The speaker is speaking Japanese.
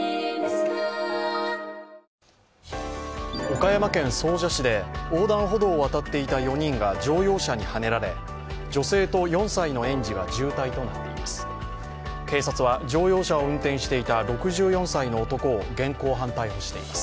岡山県総社市で横断歩道を渡っていた４人が乗用車にはねられ女性と４歳の園児が重体となっています。